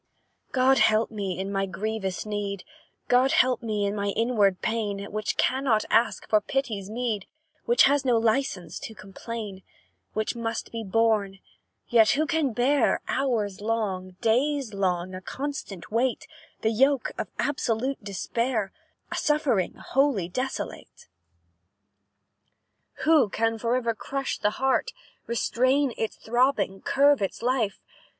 "God help me in my grievous need, God help me in my inward pain; Which cannot ask for pity's meed, Which has no licence to complain, "Which must be borne; yet who can bear, Hours long, days long, a constant weight The yoke of absolute despair, A suffering wholly desolate? "Who can for ever crush the heart, Restrain its throbbing, curb its life?